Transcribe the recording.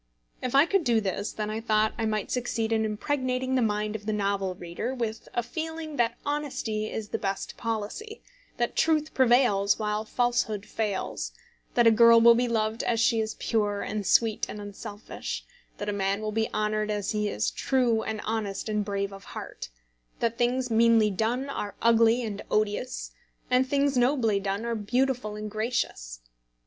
If I could do this, then I thought I might succeed in impregnating the mind of the novel reader with a feeling that honesty is the best policy; that truth prevails while falsehood fails; that a girl will be loved as she is pure, and sweet, and unselfish; that a man will be honoured as he is true, and honest, and brave of heart; that things meanly done are ugly and odious, and things nobly done beautiful and gracious.